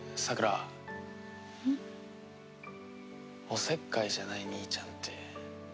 おせっかいじゃない兄ちゃんってどう思う？